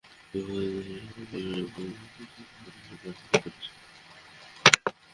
দুই বছর ধরে ইমানুয়েল লুবেজকি সেরা চিত্রগ্রাহকের অস্কারটি নিজের ঘরে তুলছেন।